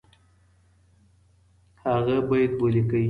هغه بیت ولیکئ.